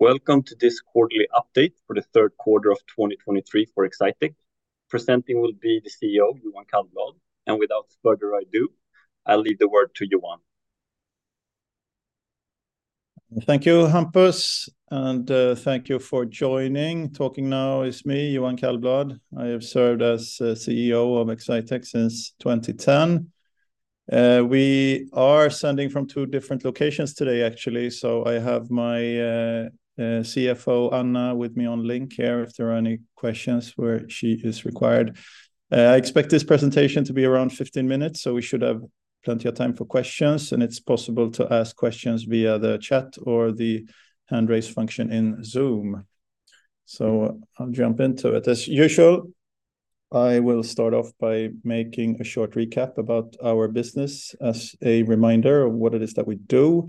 Welcome to this quarterly update for the third quarter of 2023 for Exsitec. Presenting will be the CEO, Johan Kallblad. Without further ado, I'll leave the word to Johan. Thank you, Hampus, and, thank you for joining. Talking now is me, Johan Kallblad. I have served as CEO of Exsitec since 2010. We are sending from two different locations today, actually. So I have my CFO, Anna, with me on link here, if there are any questions where she is required. I expect this presentation to be around 15 minutes, so we should have plenty of time for questions, and it's possible to ask questions via the chat or the hand raise function in Zoom. So I'll jump into it. As usual, I will start off by making a short recap about our business as a reminder of what it is that we do.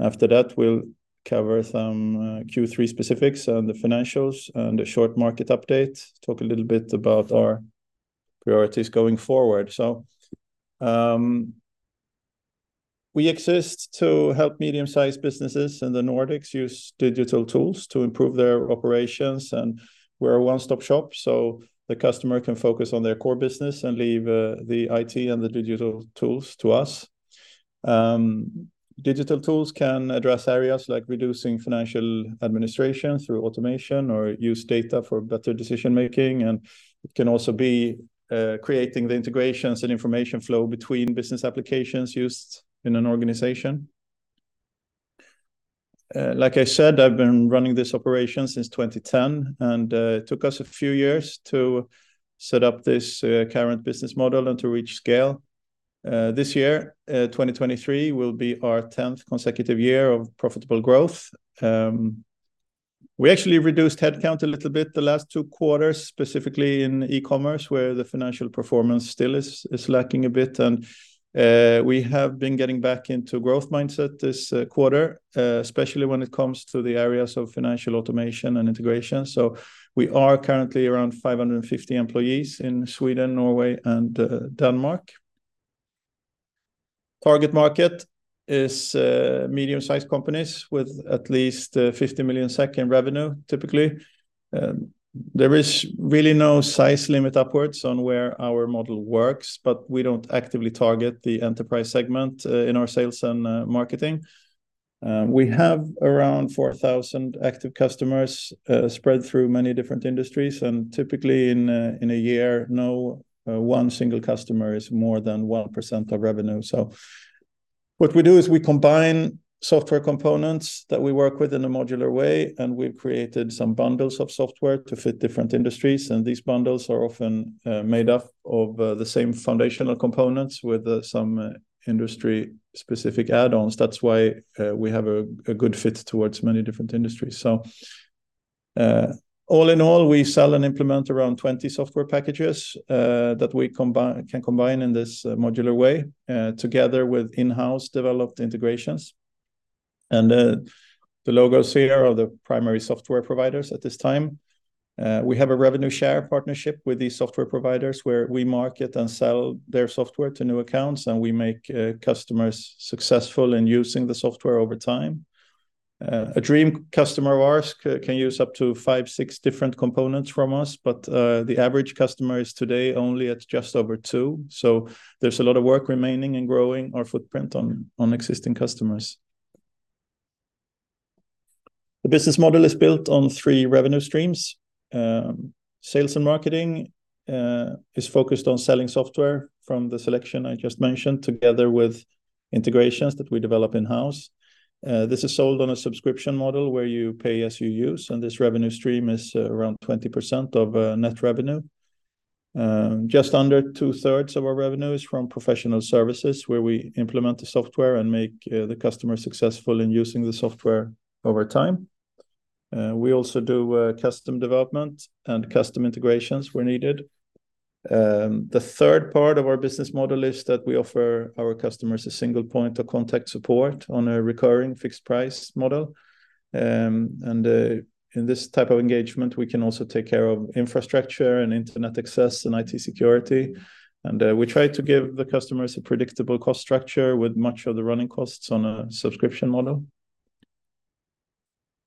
After that, we'll cover some Q3 specifics and the financials and a short market update. Talk a little bit about our priorities going forward. So, we exist to help medium-sized businesses in the Nordics use digital tools to improve their operations, and we're a one-stop shop, so the customer can focus on their core business and leave the IT and the digital tools to us. Digital tools can address areas like reducing financial administration through automation or use data for better decision making, and it can also be creating the integrations and information flow between business applications used in an organization. Like I said, I've been running this operation since 2010, and it took us a few years to set up this current business model and to reach scale. This year, 2023, will be our 10th consecutive year of profitable growth. We actually reduced headcount a little bit the last two quarters, specifically in e-commerce, where the financial performance still is lacking a bit. We have been getting back into growth mindset this quarter, especially when it comes to the areas of financial automation and integration. We are currently around 550 employees in Sweden, Norway, and Denmark. Target market is medium-sized companies with at least 50 million SEK in revenue, typically. There is really no size limit upwards on where our model works, but we don't actively target the enterprise segment in our sales and marketing. We have around 4,000 active customers spread through many different industries, and typically in a year, no one single customer is more than 1% of revenue. So what we do is we combine software components that we work with in a modular way, and we've created some bundles of software to fit different industries. These bundles are often made up of the same foundational components with some industry-specific add-ons. That's why we have a good fit towards many different industries. So all in all, we sell and implement around 20 software packages that we can combine in this modular way together with in-house developed integrations. And the logos here are the primary software providers at this time. We have a revenue share partnership with these software providers, where we market and sell their software to new accounts, and we make customers successful in using the software over time. A dream customer of ours can use up to five, six different components from us, but the average customer is today only at just over two, so there's a lot of work remaining in growing our footprint on existing customers. The business model is built on three revenue streams. Sales and marketing is focused on selling software from the selection I just mentioned, together with integrations that we develop in-house. This is sold on a subscription model, where you pay as you use, and this revenue stream is around 20% of net revenue. Just under 2/3 of our revenue is from professional services, where we implement the software and make the customer successful in using the software over time. We also do custom development and custom integrations where needed. The third part of our business model is that we offer our customers a single point of contact support on a recurring fixed price model. In this type of engagement, we can also take care of infrastructure and internet access and IT security. And we try to give the customers a predictable cost structure with much of the running costs on a subscription model.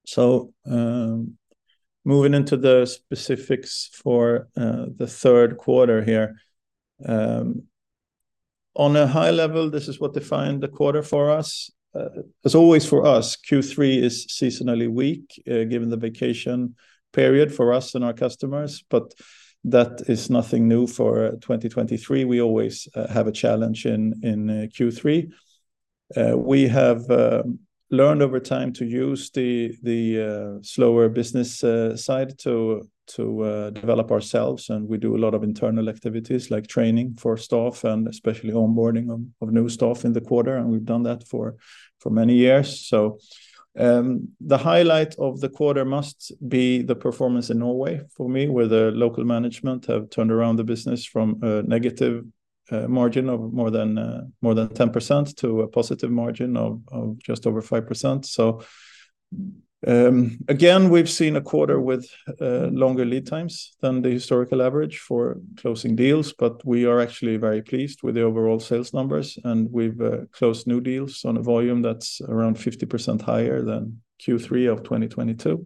So, moving into the specifics for the third quarter here. On a high level, this is what defined the quarter for us. As always, for us, Q3 is seasonally weak, given the vacation period for us and our customers, but that is nothing new for 2023. We always have a challenge in Q3. We have learned over time to use the slower business side to develop ourselves, and we do a lot of internal activities, like training for staff, and especially onboarding of new staff in the quarter, and we've done that for many years. So, the highlight of the quarter must be the performance in Norway for me, where the local management have turned around the business from a negative margin of more than 10% to a positive margin of just over 5%. So, again, we've seen a quarter with longer lead times than the historical average for closing deals, but we are actually very pleased with the overall sales numbers, and we've closed new deals on a volume that's around 50% higher than Q3 of 2022.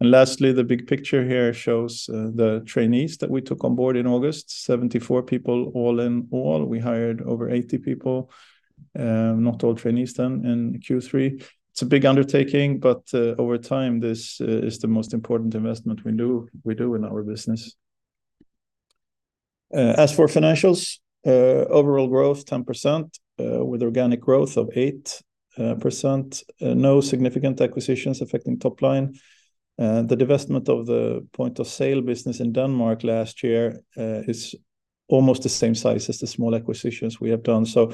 Lastly, the big picture here shows the trainees that we took on board in August. 74 people all in all. We hired over 80 people, not all trainees done in Q3. It's a big undertaking, but over time, this is the most important investment we do, we do in our business. As for financials, overall growth 10%, with organic growth of 8%. No significant acquisitions affecting top line. The divestment of the point of sale business in Denmark last year is almost the same size as the small acquisitions we have done. So,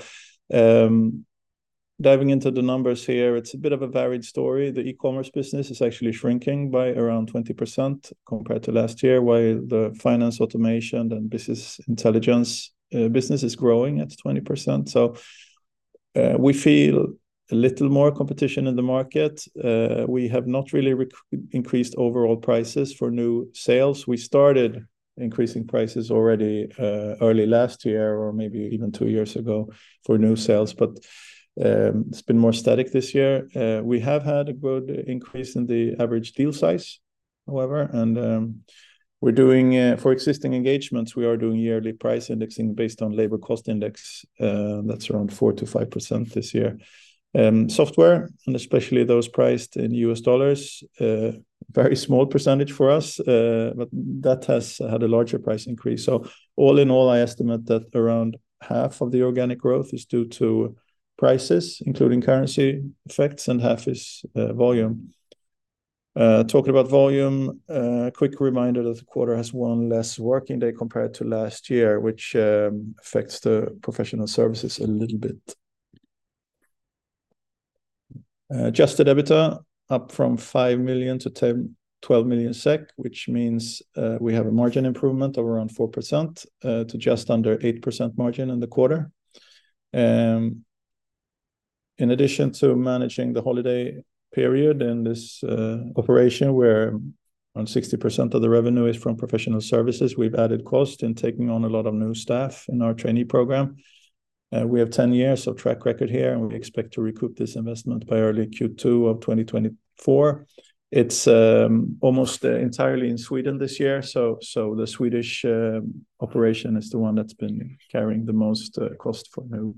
diving into the numbers here, it's a bit of a varied story. The e-commerce business is actually shrinking by around 20% compared to last year, while the finance automation and business intelligence business is growing at 20%. So, we feel a little more competition in the market. We have not really increased overall prices for new sales. We started increasing prices already, early last year or maybe even two years ago for new sales, but, it's been more static this year. We have had a good increase in the average deal size, however, and, we're doing for existing engagements, we are doing yearly price indexing based on labor cost index. That's around 4%-5% this year. Software, and especially those priced in U.S. dollars, very small percentage for us, but that has had a larger price increase. So all in all, I estimate that around half of the organic growth is due to prices, including currency effects, and half is, volume. Talking about volume, quick reminder that the quarter has one less working day compared to last year, which affects the professional services a little bit. Adjusted EBITDA up from 5 million to 10 million-12 million SEK, which means we have a margin improvement of around 4% to just under 8% margin in the quarter. In addition to managing the holiday period and this operation, where around 60% of the revenue is from professional services, we've added cost in taking on a lot of new staff in our trainee program. We have 10 years of track record here, and we expect to recoup this investment by early Q2 of 2024. It's almost entirely in Sweden this year, so the Swedish operation is the one that's been carrying the most cost for new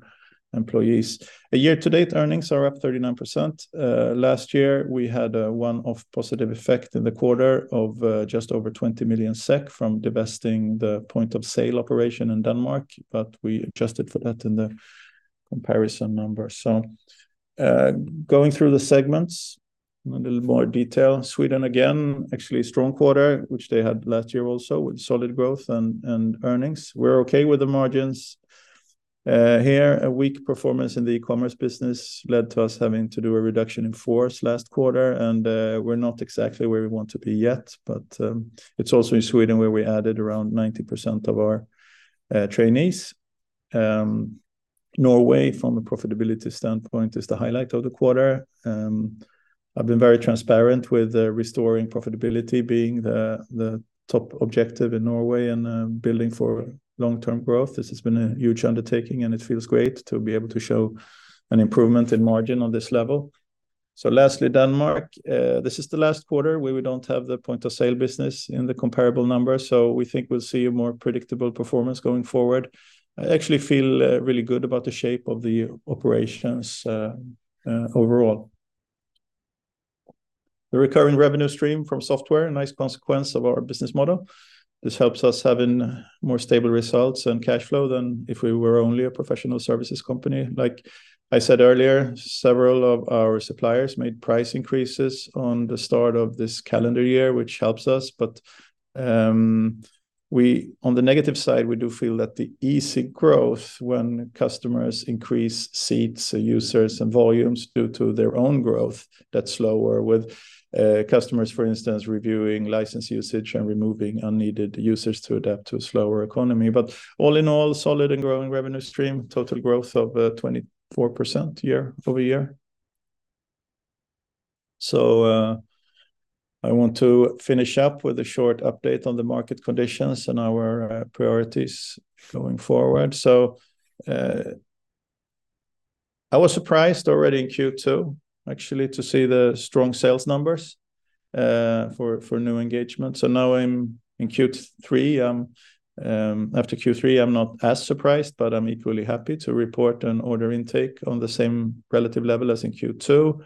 employees. Year-to-date earnings are up 39%. Last year, we had a one-off positive effect in the quarter of just over 20 million SEK from divesting the point of sale operation in Denmark, but we adjusted for that in the comparison numbers. So, going through the segments in a little more detail. Sweden, again, actually a strong quarter, which they had last year also, with solid growth and earnings. We're okay with the margins. Here, a weak performance in the e-commerce business led to us having to do a reduction in force last quarter, and we're not exactly where we want to be yet. But, it's also in Sweden, where we added around 90% of our trainees. Norway, from a profitability standpoint, is the highlight of the quarter. I've been very transparent with restoring profitability being the top objective in Norway and building for long-term growth. This has been a huge undertaking, and it feels great to be able to show an improvement in margin on this level. So lastly, Denmark. This is the last quarter where we don't have the point of sale business in the comparable numbers, so we think we'll see a more predictable performance going forward. I actually feel really good about the shape of the operations overall. The recurring revenue stream from software, a nice consequence of our business model. This helps us having more stable results and cash flow than if we were only a professional services company. Like I said earlier, several of our suppliers made price increases on the start of this calendar year, which helps us. But on the negative side, we do feel that the easy growth when customers increase seats, users, and volumes due to their own growth, that's slower with customers, for instance, reviewing license usage and removing unneeded users to adapt to a slower economy. But all in all, solid and growing revenue stream. Total growth of 24% year-over-year. So, I want to finish up with a short update on the market conditions and our priorities going forward. I was surprised already in Q2, actually, to see the strong sales numbers for new engagements. Now I'm in Q3, after Q3, I'm not as surprised, but I'm equally happy to report an order intake on the same relative level as in Q2.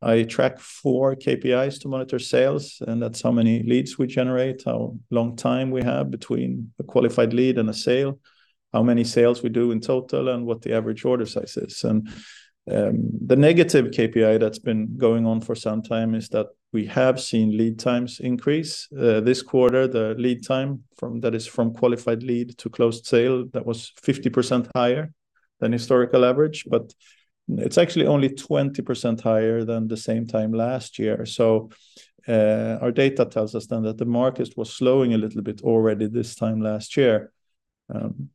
I track four KPIs to monitor sales, and that's how many leads we generate, how long time we have between a qualified lead and a sale, how many sales we do in total, and what the average order size is. The negative KPI that's been going on for some time is that we have seen lead times increase. This quarter, the lead time from qualified lead to closed sale was 50% higher than historical average, but it's actually only 20% higher than the same time last year. Our data tells us then that the market was slowing a little bit already this time last year.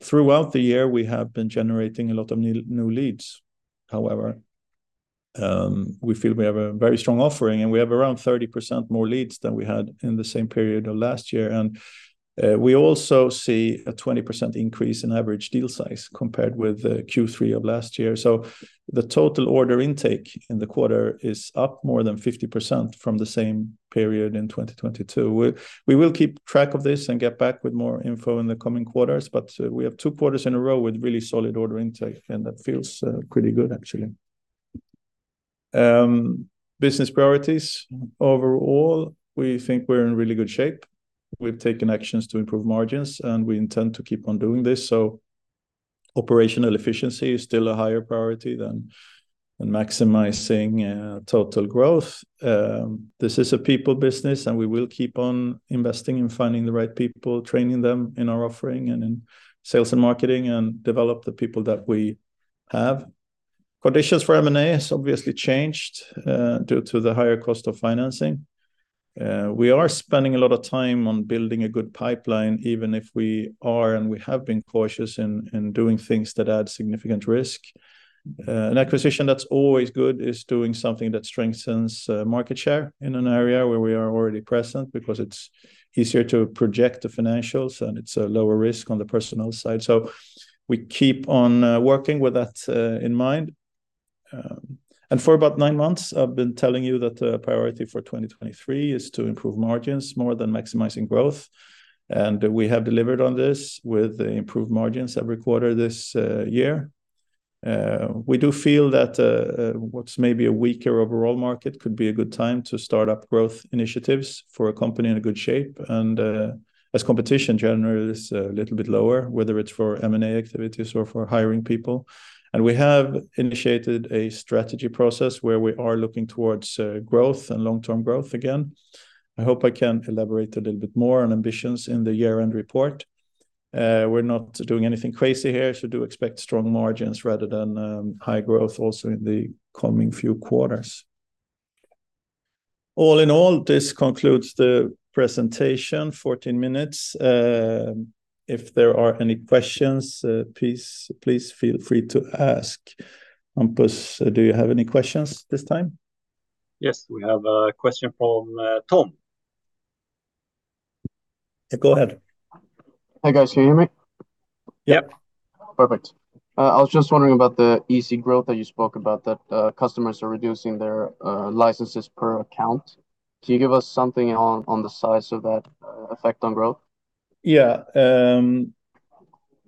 Throughout the year, we have been generating a lot of new leads, however. We feel we have a very strong offering, and we have around 30% more leads than we had in the same period of last year. And we also see a 20% increase in average deal size compared with Q3 of last year. So the total order intake in the quarter is up more than 50% from the same period in 2022. We will keep track of this and get back with more info in the coming quarters, but we have two quarters in a row with really solid order intake, and that feels pretty good, actually. Business priorities. Overall, we think we're in really good shape. We've taken actions to improve margins, and we intend to keep on doing this, so operational efficiency is still a higher priority than maximizing total growth. This is a people business, and we will keep on investing in finding the right people, training them in our offering and in sales and marketing, and develop the people that we have. Conditions for M&A has obviously changed due to the higher cost of financing. We are spending a lot of time on building a good pipeline, even if we are, and we have been cautious in doing things that add significant risk. An acquisition that's always good is doing something that strengthens market share in an area where we are already present because it's easier to project the financials, and it's a lower risk on the personal side. So we keep on working with that in mind. And for about nine months, I've been telling you that the priority for 2023 is to improve margins more than maximizing growth, and we have delivered on this with improved margins every quarter this year. We do feel that what's maybe a weaker overall market could be a good time to start up growth initiatives for a company in a good shape. As competition generally is a little bit lower, whether it's for M&A activities or for hiring people. We have initiated a strategy process where we are looking towards growth and long-term growth again. I hope I can elaborate a little bit more on ambitions in the year-end report. We're not doing anything crazy here, so do expect strong margins rather than high growth also in the coming few quarters. All in all, this concludes the presentation. 14 minutes. If there are any questions, please, please feel free to ask. Hampus, do you have any questions this time? Yes, we have a question from Tom. Go ahead. Hi, guys. Can you hear me? Yep. Perfect. I was just wondering about the easy growth that you spoke about, that customers are reducing their licenses per account. Can you give us something on the size of that effect on growth? Yeah.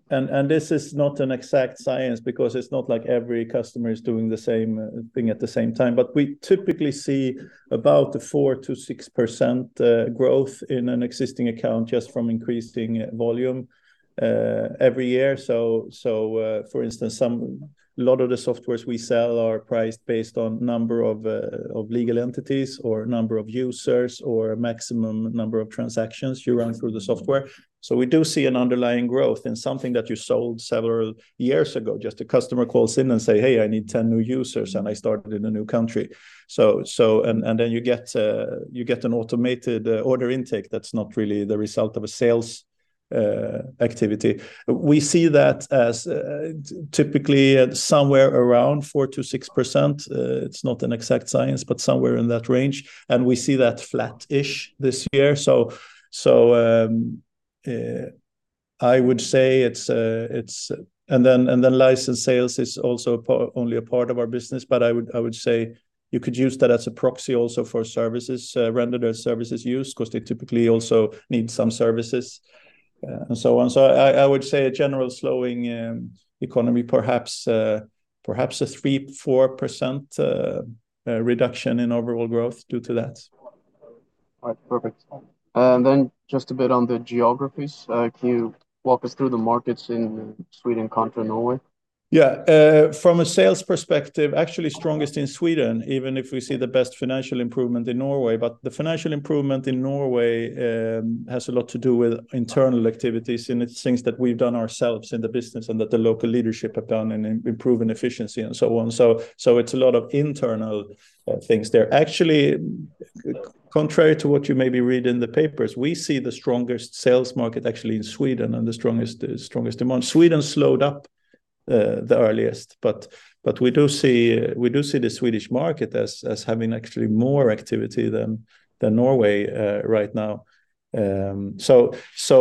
And this is not an exact science because it's not like every customer is doing the same thing at the same time. But we typically see about a 4%-6% growth in an existing account just from increasing volume every year. So for instance, a lot of the softwares we sell are priced based on number of legal entities, or number of users, or maximum number of transactions you run through the software. So we do see an underlying growth in something that you sold several years ago. Just a customer calls in and say, "Hey, I need 10 new users, and I started in a new country." So then you get an automated order intake that's not really the result of a sales activity. We see that as typically at somewhere around 4%-6%. It's not an exact science, but somewhere in that range, and we see that flat-ish this year. I would say it's and then license sales is also only a part of our business. But I would say you could use that as a proxy also for services rendered or services used, 'cause they typically also need some services and so on. So I would say a general slowing economy, perhaps a 3%-4% reduction in overall growth due to that. All right, perfect. And then just a bit on the geographies. Can you walk us through the markets in Sweden, Norway? Yeah. From a sales perspective, actually strongest in Sweden, even if we see the best financial improvement in Norway. But the financial improvement in Norway has a lot to do with internal activities, and it's things that we've done ourselves in the business and that the local leadership have done in improving efficiency and so on. So it's a lot of internal things there. Actually, contrary to what you maybe read in the papers, we see the strongest sales market actually in Sweden and the strongest, strongest demand. Sweden slowed up the earliest. But we do see, we do see the Swedish market as having actually more activity than Norway right now. So.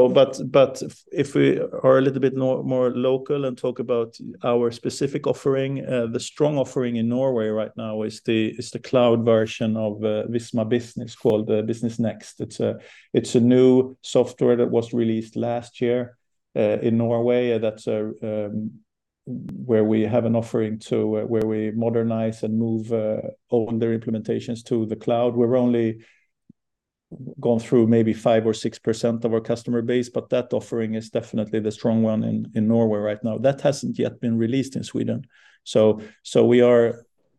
But if we are a little bit more local and talk about our specific offering, the strong offering in Norway right now is the cloud version of Visma Business, called Business NXT. It's a new software that was released last year in Norway. That's where we have an offering to where we modernize and move older implementations to the cloud. We're only gone through maybe 5 or 6% of our customer base, but that offering is definitely the strong one in Norway right now. That hasn't yet been released in Sweden.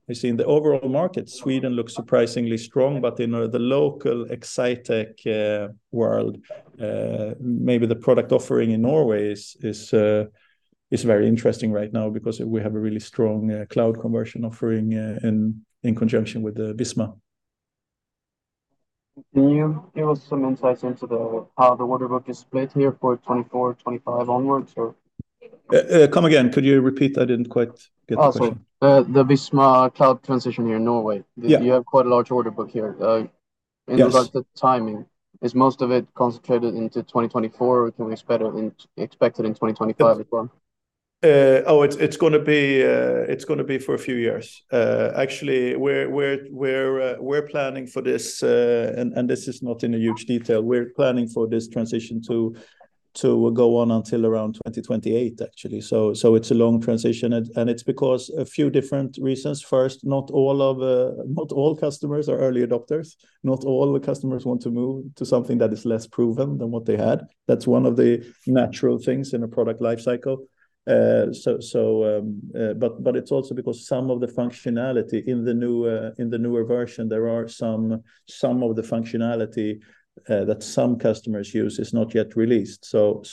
You see, in the overall market, Sweden looks surprisingly strong, but in the local Exsitec world, maybe the product offering in Norway is very interesting right now because we have a really strong cloud conversion offering in conjunction with the Visma.... Can you give us some insights into the, how the order book is split here for 2024, 2025 onwards, or? Come again. Could you repeat that? I didn't quite get the question. Oh, sorry. The Visma cloud transition here in Norway. Yeah. You have quite a large order book here. Yes. In regards to timing, is most of it concentrated into 2024? Or can we expect it in 2025 as well? It's gonna be for a few years. Actually, we're planning for this, and this is not in huge detail. We're planning for this transition to go on until around 2028, actually. So it's a long transition, and it's because a few different reasons. First, not all customers are early adopters. Not all the customers want to move to something that is less proven than what they had. That's one of the natural things in a product life cycle. So, but it's also because some of the functionality in the new, in the newer version, there are some of the functionality that some customers use is not yet released. So,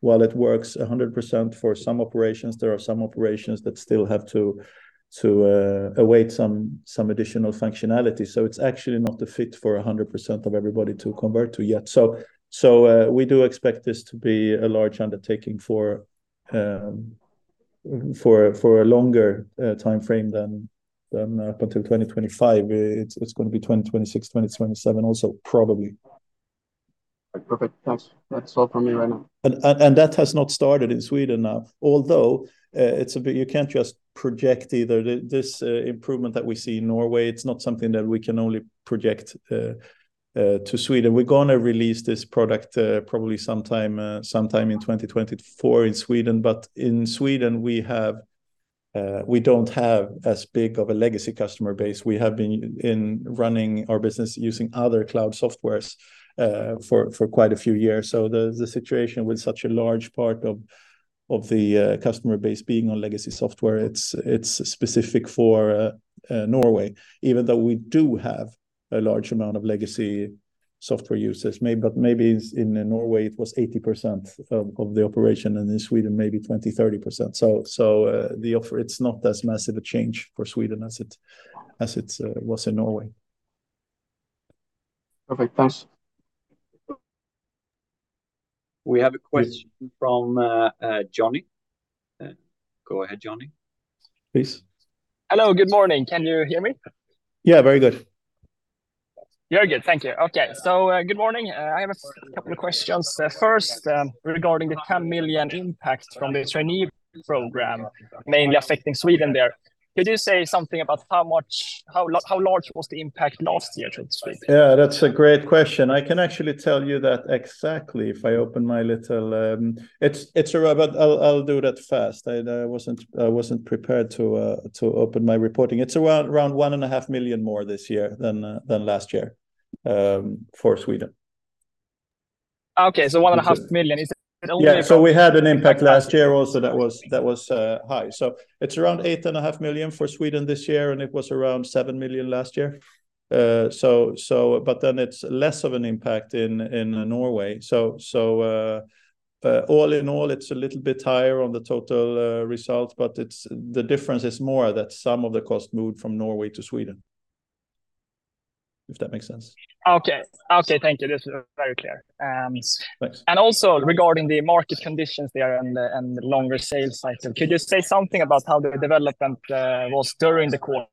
while it works 100% for some operations, there are some operations that still have to await some additional functionality. So it's actually not a fit for 100% of everybody to convert to yet. So, we do expect this to be a large undertaking for a longer time frame than up until 2025. It's gonna be 2026, 2027 also, probably. Perfect. Thanks. That's all from me right now. That has not started in Sweden now. Although, it's a bit. You can't just project either. This improvement that we see in Norway, it's not something that we can only project to Sweden. We're gonna release this product, probably sometime in 2024 in Sweden. But in Sweden, we have, we don't have as big of a legacy customer base. We have been running our business using other cloud softwares for quite a few years. So the situation with such a large part of the customer base being on legacy software, it's specific for Norway. Even though we do have a large amount of legacy software users, maybe, but maybe in Norway it was 80% of the operation, and in Sweden, maybe 20%-30%. So, the offer, it's not as massive a change for Sweden as it was in Norway. Perfect. Thanks. We have a question from Johnny. Go ahead, Johnny. Please. Hello, good morning. Can you hear me? Yeah, very good. Very good. Thank you. Okay, so, good morning. I have a couple of questions. First, regarding the 10 million impact from the trainee program, mainly affecting Sweden there. Could you say something about how much, how large was the impact last year to Sweden? Yeah, that's a great question. I can actually tell you that exactly if I open my little. It's all right, but I'll do that fast. I wasn't prepared to open my reporting. It's around 1.5 million more this year than last year for Sweden. Okay. So 1.5 million. Is it only. Yeah. So we had an impact last year also that was high. So it's around 8.5 million for Sweden this year, and it was around 7 million last year. So but then it's less of an impact in Norway. So all in all, it's a little bit higher on the total results, but it's the difference is more that some of the cost moved from Norway to Sweden, if that makes sense. Okay. Okay, thank you. This is very clear. Thanks. And also regarding the market conditions there and the longer sales cycle, could you say something about how the development was during the quarter?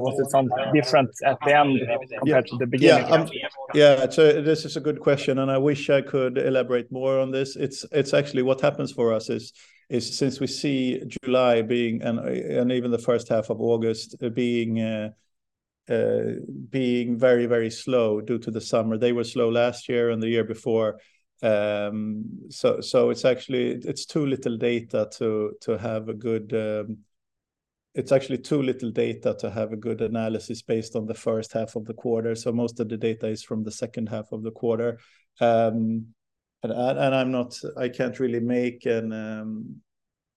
Was it something different at the end compared to the beginning? Yeah. Yeah, so this is a good question, and I wish I could elaborate more on this. It's actually what happens for us is since we see July being, and even the first half of August being very, very slow due to the summer. They were slow last year and the year before. So it's actually. It's too little data to have a good. It's actually too little data to have a good analysis based on the first half of the quarter, so most of the data is from the second half of the quarter. But I can't really make an.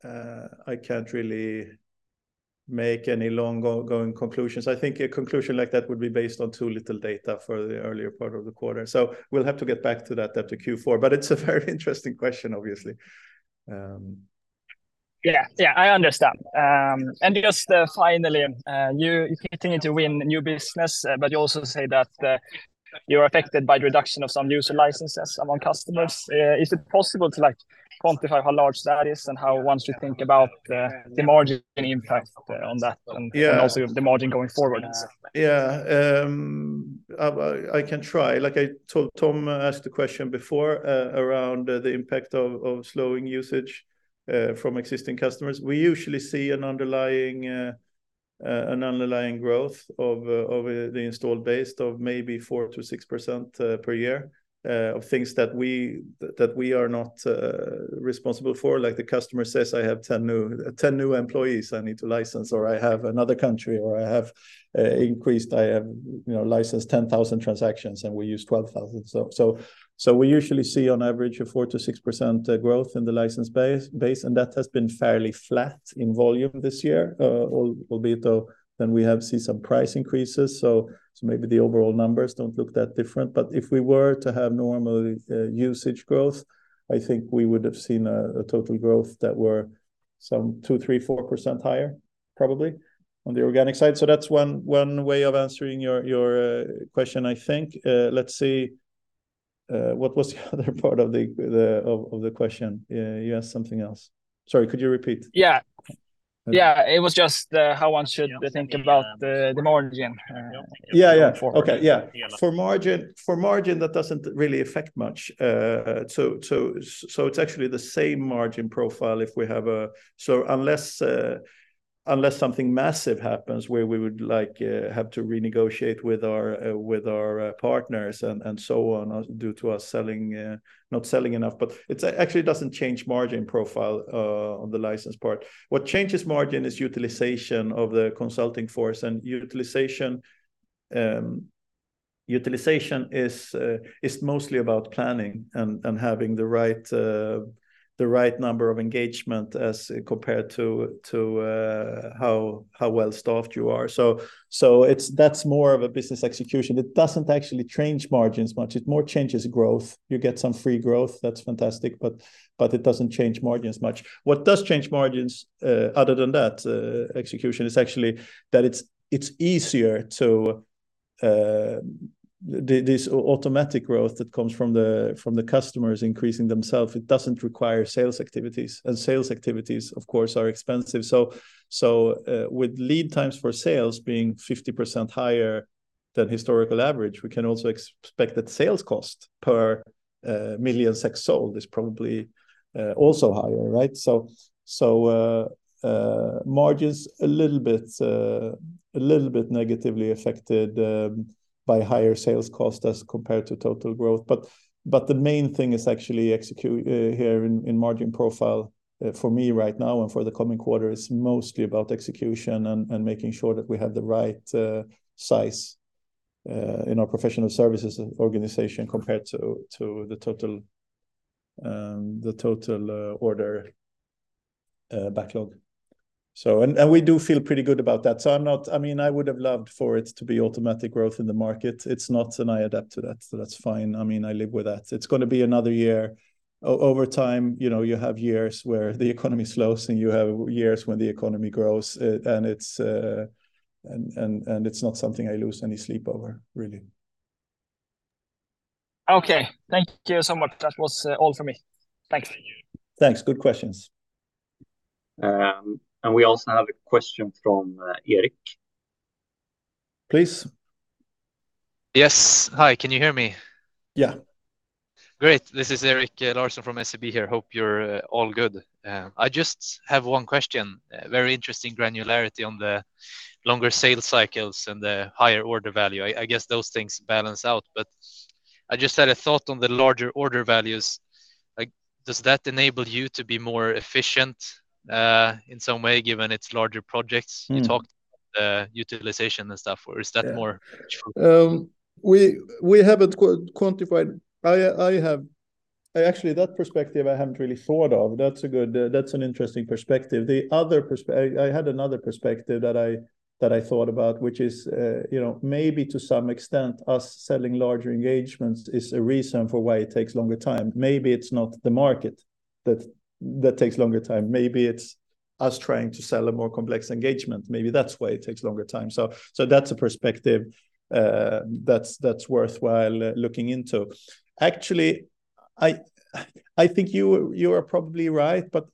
I can't really make any long-going conclusions. I think a conclusion like that would be based on too little data for the earlier part of the quarter. We'll have to get back to that after Q4. It's a very interesting question, obviously. Yeah, yeah, I understand. And just finally, you continue to win new business, but you also say that you're affected by the reduction of some user licenses among customers. Is it possible to, like, quantify how large that is? And how, once you think about, the margin impact on that and. Yeah. And also the margin going forward? Yeah. I can try. Like I told Tom asked the question before around the impact of slowing usage from existing customers. We usually see an underlying growth of the installed base of maybe 4%-6% per year. Of things that we are not responsible for. Like, the customer says, "I have 10 new employees I need to license," or, "I have another country," or, "I have increased. I have, you know, licensed 10,000 transactions, and we use 12,000." So we usually see on average a 4%-6% growth in the license base, and that has been fairly flat in volume this year. Albeit though, then we have seen some price increases, so maybe the overall numbers don't look that different. But if we were to have normal usage growth, I think we would have seen a total growth that were some 2%-4% higher probably on the organic side. So that's one way of answering your question, I think. Let's see, what was the other part of the question? Yeah, you asked something else. Sorry, could you repeat? Yeah. Yeah, it was just how one should be thinking about the margin. Yeah, yeah. Before. Okay, yeah. Yeah. For margin, that doesn't really affect much. So it's actually the same margin profile if we have a. So unless something massive happens where we would like have to renegotiate with our partners and so on due to us selling not selling enough, but it's actually doesn't change margin profile on the license part. What changes margin is utilization of the consulting force and utilization. Utilization is mostly about planning and having the right number of engagement as compared to how well staffed you are. So that's more of a business execution. It doesn't actually change margins much. It more changes growth. You get some free growth, that's fantastic, but it doesn't change margins much. What does change margins, other than that, execution, is actually that it's easier to, this automatic growth that comes from the customers increasing themselves, it doesn't require sales activities, and sales activities, of course, are expensive. So, with lead times for sales being 50% higher than historical average, we can also expect that sales cost per million SEK sold is probably also higher, right? So, margins a little bit negatively affected by higher sales cost as compared to total growth. But the main thing is actually execution here in margin profile for me right now and for the coming quarter is mostly about execution and making sure that we have the right size in our professional services organization compared to the total order backlog. So. And we do feel pretty good about that. So I'm not. I mean, I would've loved for it to be automatic growth in the market. It's not, and I adapt to that, so that's fine. I mean, I live with that. It's gonna be another year. Over time, you know, you have years where the economy slows, and you have years when the economy grows. And it's not something I lose any sleep over, really. Okay, thank you so much. That was all for me. Thanks. Thanks. Good questions. We also have a question from Erik. Please. Yes. Hi, can you hear me? Yeah. Great! This is Erik Larsson from SEB here. Hope you're all good. I just have one question. Very interesting granularity on the longer sales cycles and the higher order value. I, I guess those things balance out, but I just had a thought on the larger order values. Like, does that enable you to be more efficient, in some way, given it's larger projects you talked utilization and stuff, or is that more. Yeah. We haven't quantified. I actually, that perspective I haven't really thought of. That's a good, that's an interesting perspective. I had another perspective that I thought about, which is, you know, maybe to some extent, us selling larger engagements is a reason for why it takes longer time. Maybe it's not the market that takes longer time. Maybe it's us trying to sell a more complex engagement. Maybe that's why it takes longer time. So that's a perspective, that's worthwhile looking into. Actually, I think you are probably right, but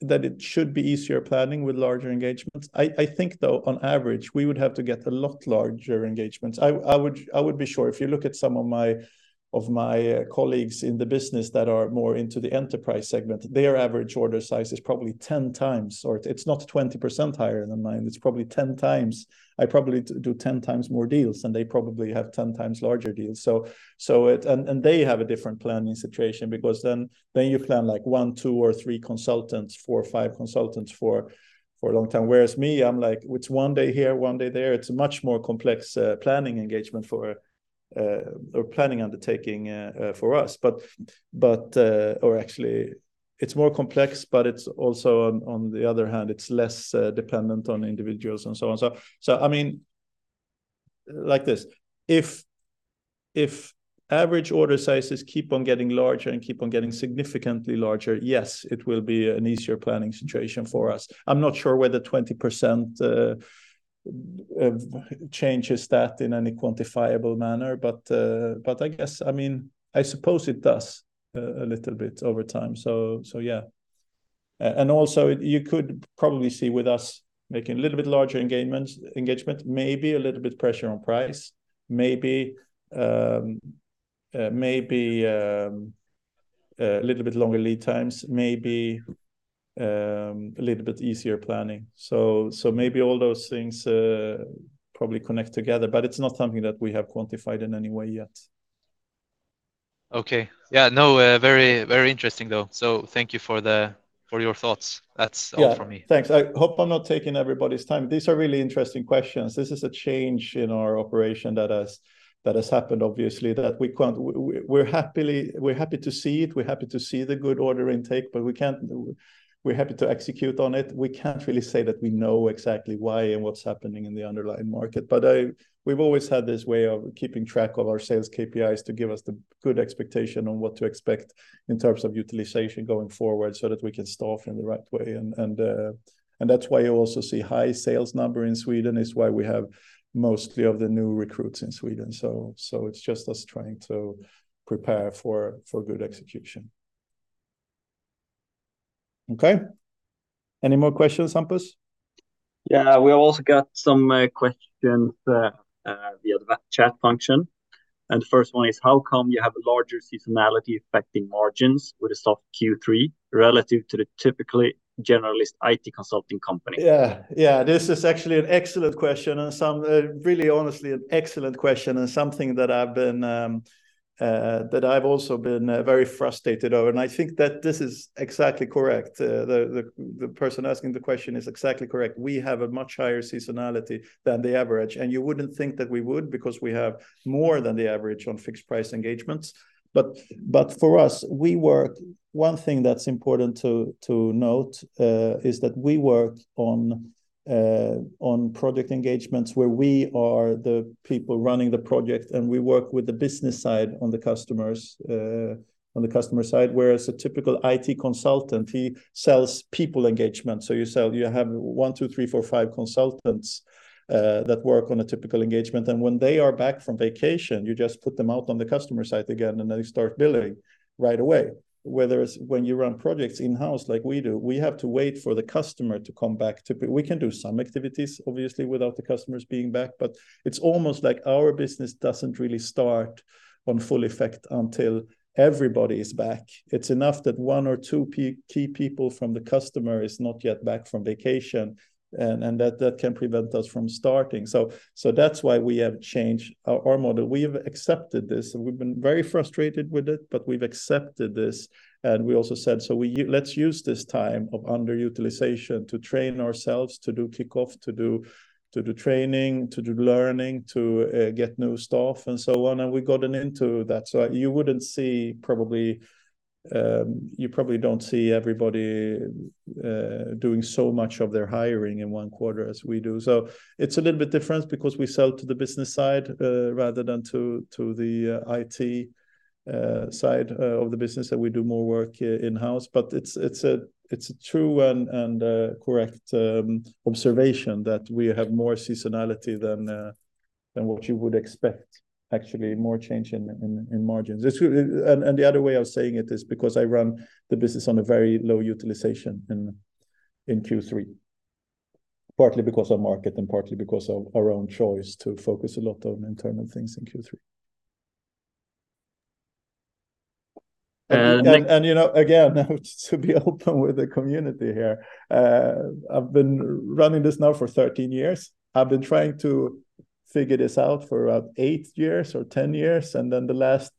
that it should be easier planning with larger engagements. I think, though, on average, we would have to get a lot larger engagements. I would be sure. If you look at some of my colleagues in the business that are more into the enterprise segment, their average order size is probably 10x, or it's not 20% higher than mine. It's probably 10x. I probably do 10x more deals, and they probably have 10x larger deals. So it. And they have a different planning situation because then you plan, like, one, two, or three consultants, four or five consultants for a long time. Whereas me, I'm like, it's one day here, one day there. It's a much more complex planning engagement for, or planning undertaking, for us. But. Or actually, it's more complex, but it's also, on the other hand, it's less dependent on individuals and so on. So I mean, like this, if average order sizes keep on getting larger and keep on getting significantly larger, yes, it will be an easier planning situation for us. I'm not sure whether 20% changes that in any quantifiable manner, but I guess, I mean, I suppose it does a little bit over time. So yeah. And also, you could probably see with us making a little bit larger engagements, maybe a little bit pressure on price, maybe maybe a little bit longer lead times, maybe a little bit easier planning. So maybe all those things probably connect together, but it's not something that we have quantified in any way yet. Okay. Yeah, no, very, very interesting, though. So thank you for your thoughts. Yeah. That's all for me. Thanks. I hope I'm not taking everybody's time. These are really interesting questions. This is a change in our operation that has happened, obviously, that we can't. We're happy to see it, we're happy to see the good order intake, but we can't. We're happy to execute on it. We can't really say that we know exactly why and what's happening in the underlying market. But we've always had this way of keeping track of our sales KPIs to give us the good expectation on what to expect in terms of utilization going forward, so that we can staff in the right way. And that's why you also see high sales number in Sweden. It's why we have mostly of the new recruits in Sweden. So it's just us trying to prepare for good execution. Okay. Any more questions, Hampus? Yeah. We've also got some questions via the chat function. The first one is: How come you have a larger seasonality affecting margins with a soft Q3 relative to the typically generalist IT consulting company? Yeah. Yeah, this is actually an excellent question, and really honestly, an excellent question, and something that I've been. That I've also been very frustrated over, and I think that this is exactly correct. The person asking the question is exactly correct. We have a much higher seasonality than the average, and you wouldn't think that we would because we have more than the average on fixed-price engagements. But for us, we work. One thing that's important to note is that we work on project engagements where we are the people running the project, and we work with the business side on the customers, on the customer side. Whereas a typical IT consultant, he sells people engagement. So you have one, two, three, four, five consultants that work on a typical engagement, and when they are back from vacation, you just put them out on the customer site again, and then you start billing right away. Whether it's when you run projects in-house like we do, we have to wait for the customer to come back, we can do some activities, obviously, without the customers being back. But it's almost like our business doesn't really start on full effect until everybody is back. It's enough that one or two key people from the customer is not yet back from vacation, and that can prevent us from starting. So that's why we have changed our model. We have accepted this, and we've been very frustrated with it, but we've accepted this. And we also said, "So let's use this time of underutilization to train ourselves, to do kickoff, to do training, to do learning, to get new staff, and so on." And we've gotten into that. So you wouldn't see probably, you probably don't see everybody doing so much of their hiring in one quarter as we do. So it's a little bit different because we sell to the business side rather than to the IT side of the business that we do more work here in-house. But it's a true and correct observation that we have more seasonality than what you would expect, actually more change in margins. This... And the other way of saying it is because I run the business on a very low utilization in Q3, partly because of market and partly because of our own choice to focus a lot on internal things in Q3. And you know, again, to be open with the community here, I've been running this now for 13 years. I've been trying to figure this out for about eight years or 10 years, and then the last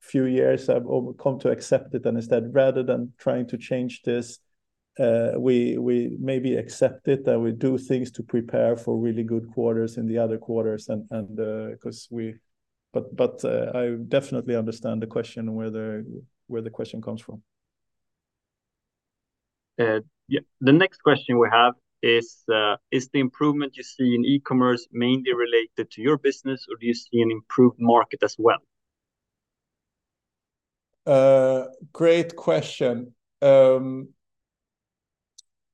few years, I've come to accept it and instead rather than trying to change this, we maybe accept it, that we do things to prepare for really good quarters in the other quarters and 'cause we. But I definitely understand the question, where the question comes from. Yeah. The next question we have is, "Is the improvement you see in e-commerce mainly related to your business, or do you see an improved market as well? Great question.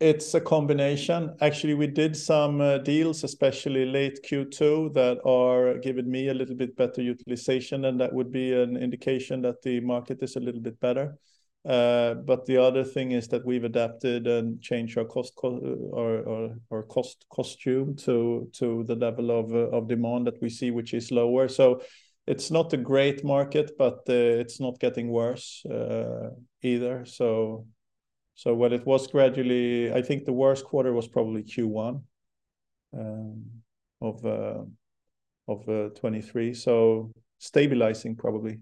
It's a combination. Actually, we did some deals, especially late Q2, that are giving me a little bit better utilization, and that would be an indication that the market is a little bit better. But the other thing is that we've adapted and changed our cost structure to the level of demand that we see, which is lower. So it's not a great market, but it's not getting worse either. So what it was gradually, I think the worst quarter was probably Q1 of 2023, so stabilizing probably.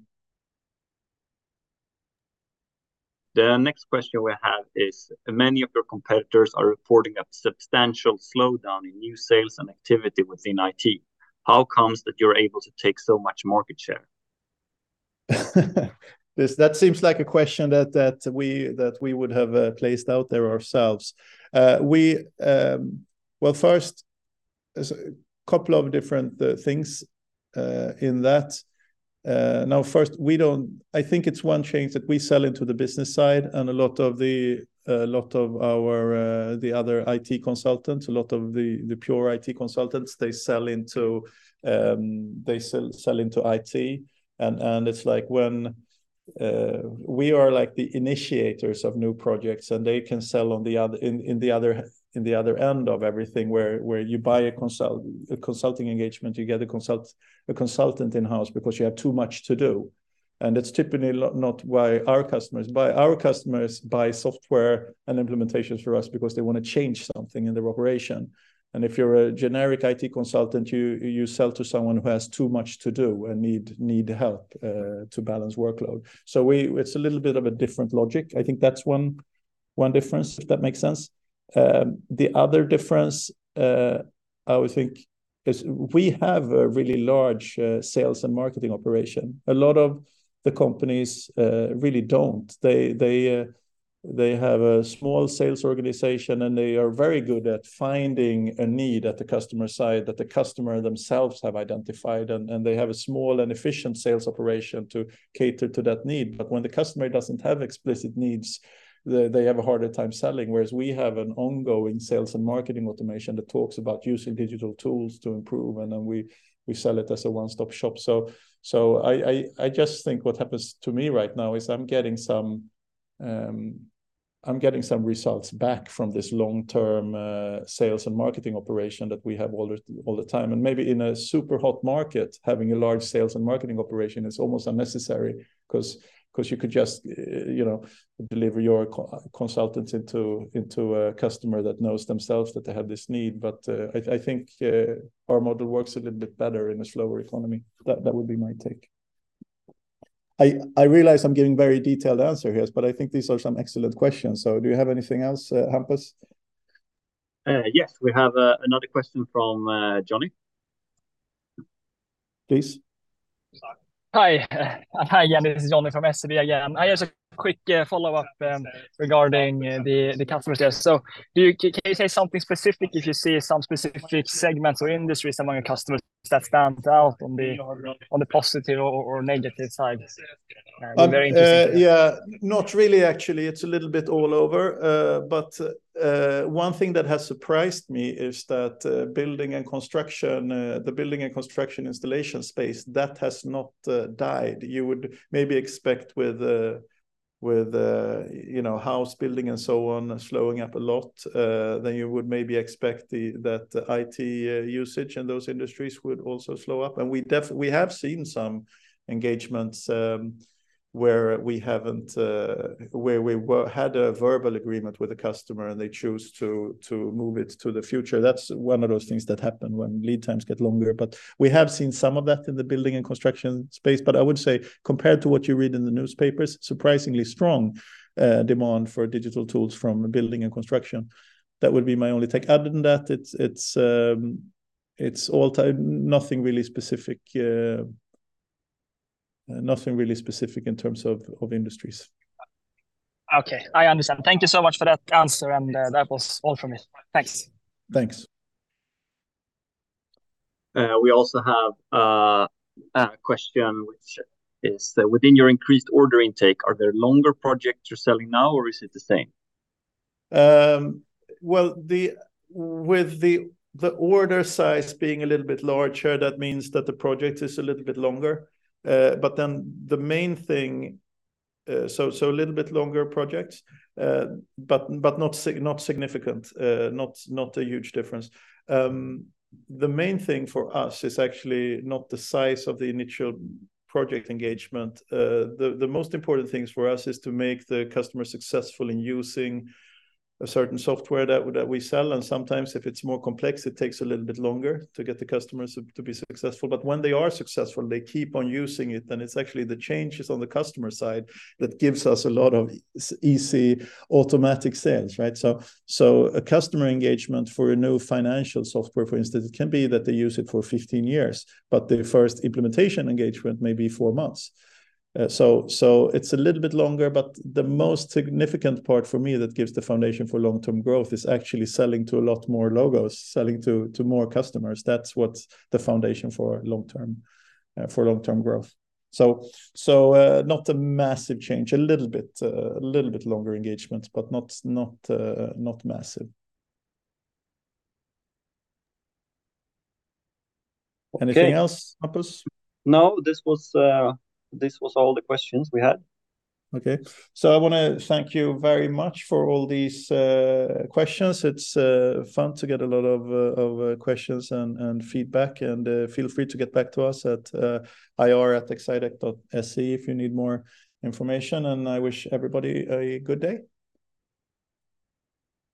The next question we have is: Many of your competitors are reporting a substantial slowdown in new sales and activity within IT. How come that you're able to take so much market share? That seems like a question that we would have placed out there ourselves. Well, first, there's a couple of different things in that. Now, first, we don't- I think it's one change that we sell into the business side and a lot of the lot of our the other IT consultants, a lot of the the pure IT consultants, they sell into, they sell sell into IT. And, and it's like when we are, like, the initiators of new projects, and they can sell on the other- in, in the other, in the other end of everything, where, where you buy a consult, a consulting engagement, you get a consult, a consultant in-house because you have too much to do. And it's typically not, not why our customers buy. Our customers buy software and implementations from us because they wanna change something in their operation. If you're a generic IT consultant, you sell to someone who has too much to do and need help to balance workload. It's a little bit of a different logic. I think that's one difference, if that makes sense. The other difference, I would think, is we have a really large sales and marketing operation. A lot of the companies really don't. They have a small sales organization, and they are very good at finding a need at the customer side that the customer themselves have identified, and they have a small and efficient sales operation to cater to that need. But when the customer doesn't have explicit needs, they have a harder time selling, whereas we have an ongoing sales and marketing automation that talks about using digital tools to improve, and then we sell it as a one-stop shop. So I just think what happens to me right now is I'm getting some results back from this long-term sales and marketing operation that we have all the time. And maybe in a super hot market, having a large sales and marketing operation is almost unnecessary 'cause you could just you know, deliver your co-consultants into a customer that knows themselves that they have this need. But I think our model works a little bit better in a slower economy. That would be my take. I realize I'm giving very detailed answer here, but I think these are some excellent questions. So do you have anything else, Hampus? Yes, we have another question from Johnny. Please. Hi. Hi, yeah, this is Johnny from SEB again. I just a quick follow-up regarding the customers here. So do you can you say something specific if you see some specific segments or industries among your customers that stand out on the positive or negative side? Very interesting. Yeah, not really actually. It's a little bit all over. But, one thing that has surprised me is that, building and construction, the building and construction installation space, that has not died. You would maybe expect with, with, you know, house building and so on, slowing up a lot, then you would maybe expect the. that IT usage in those industries would also slow up, and we have seen some engagements, where we haven't. where we had a verbal agreement with the customer, and they choose to move it to the future. That's one of those things that happen when lead times get longer. But we have seen some of that in the building and construction space. But I would say, compared to what you read in the newspapers, surprisingly strong demand for digital tools from building and construction. That would be my only take. Other than that, it's all time. nothing really specific in terms of industries. Okay, I understand. Thank you so much for that answer, and that was all from me. Thanks. Thanks. We also have a question, which is: Within your increased order intake, are there longer projects you're selling now, or is it the same? Well, with the order size being a little bit larger, that means that the project is a little bit longer. But then the main thing, so a little bit longer projects, but not significant, not a huge difference. The main thing for us is actually not the size of the initial project engagement. The most important things for us is to make the customer successful in using a certain software that we sell, and sometimes, if it's more complex, it takes a little bit longer to get the customers to be successful. But when they are successful, they keep on using it, and it's actually the changes on the customer side that gives us a lot of easy, automatic sales, right? So, so a customer engagement for a new financial software, for instance, it can be that they use it for 15 years, but the first implementation engagement may be four months. So, so it's a little bit longer, but the most significant part for me that gives the foundation for long-term growth is actually selling to a lot more logos, selling to, to more customers. That's what's the foundation for long-term for long-term growth. So, so, not a massive change, a little bit, a little bit longer engagement, but not, not, not massive. Okay. Anything else, Hampus? No, this was, this was all the questions we had. Okay. So I wanna thank you very much for all these questions. It's fun to get a lot of questions and feedback, and feel free to get back to us at ir@exsitec.se if you need more information, and I wish everybody a good day.